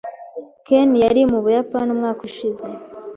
Ken yari mu Buyapani umwaka ushize.